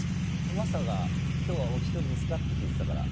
マスターが今日はお一人ですかって聞いてたから。